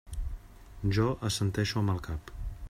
Jo assenteixo amb el cap.